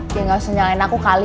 dia gak usah nyalain aku kali